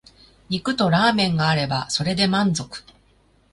肉とラーメンがあればそれで満足